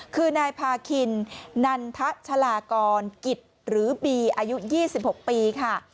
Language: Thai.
คือนายพาขินนันทะชลากรกิจหรือบีอายุยี่สิบหกปีค่ะ